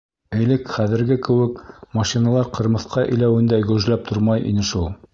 Элек хәҙерге кеүек машиналар ҡырмыҫҡа иләүендәй гөжләп тормай ине шул.